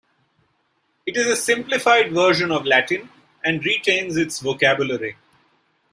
It is a simplified version of Latin, and retains its vocabulary.